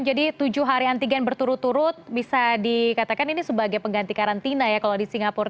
jadi tujuh hari antigen berturut turut bisa dikatakan ini sebagai pengganti karantina ya kalau di singapura